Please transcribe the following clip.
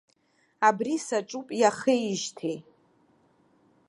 Абри саҿуп иахеижьҭеи!